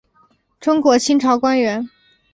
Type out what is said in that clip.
中国清朝官员。